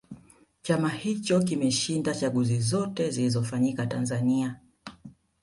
chama hicho kimeshinda chaguzi zote zilizofanyika tanzania